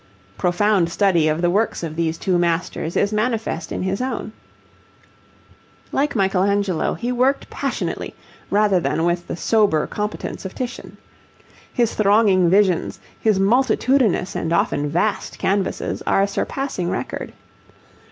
Profound study of the works of these two masters is manifest in his own. Like Michelangelo he worked passionately rather than with the sober competence of Titian. His thronging visions, his multitudinous and often vast canvases are a surpassing record.